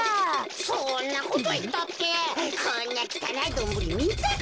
そんなこといったってこんなきたないドンブリみたことない。